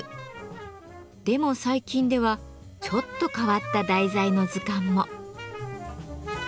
でも最近ではちょっと変わった題材の図鑑も。